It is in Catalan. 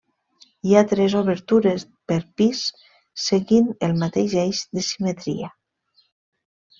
Hi ha tres obertures per pis seguint el mateix eix de simetria.